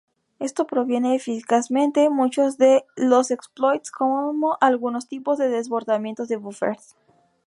Esto previene eficazmente muchos de los exploits, como algunos tipos de desbordamientos de buffers.